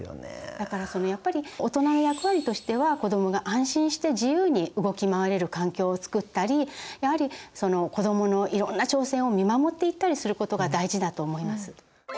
だからそのやっぱり大人の役割としては子どもが安心して自由に動き回れる環境を作ったりやはり子どものいろんな挑戦を見守っていったりすることが大事だと思います。